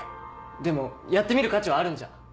でもやってみる価値はあるんじゃ。